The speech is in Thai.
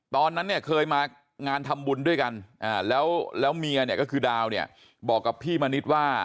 ตอนนั้นเนี่ยเคยมางานทำบุญด้วยกันแล้วเมียเนี่ยก็คือดาวเนี่ยบอกกับพี่มณิษฐ์ว่า